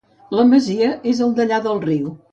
La masia és al dellà del riu.